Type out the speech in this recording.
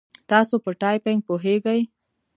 تاسو په ټایپینګ پوهیږئ؟